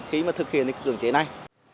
khi mà thực hiện cái cưỡng chế này